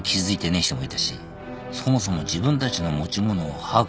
え人もいたしそもそも自分たちの持ち物を把握してねえ